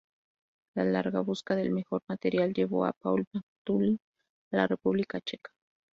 La larga busca del mejor material llevó a Paul McNulty a la República Checa.